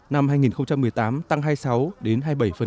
năm hai nghìn một mươi tám tăng hai mươi sáu đến hai mươi bảy